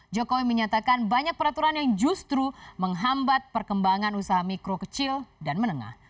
jokowi menyatakan banyak peraturan yang justru menghambat perkembangan usaha mikro kecil dan menengah